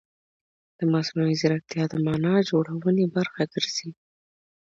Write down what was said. مصنوعي ځیرکتیا د معنا جوړونې برخه ګرځي.